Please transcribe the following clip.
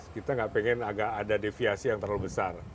kita nggak pengen agak ada deviasi yang terlalu besar